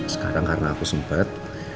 sekarang karena aku sempet